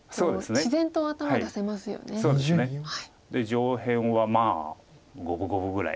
上辺はまあ五分五分ぐらい。